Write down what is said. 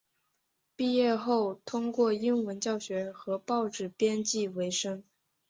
毕业后通过英文教学和报纸编辑维生。